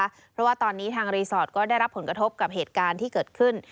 เพราะว่าตอนนี้ทางรีสอร์ทก็ได้รับผลกระทบกับเหตุการณ์ที่เกิดขึ้น